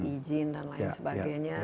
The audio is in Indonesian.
ijin dan lain sebagainya